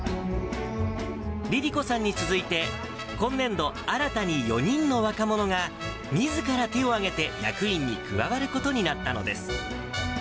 梨里子さんに続いて、今年度、新たに４人の若者が、みずから手を挙げて役員に加わることになったのです。